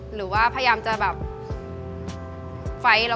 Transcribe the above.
หรือว่าพยายามจะไฟต์